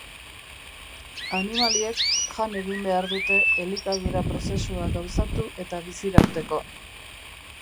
Animaliek jan egin behar dute elikadura prozesua gauzatu eta bizirauteko.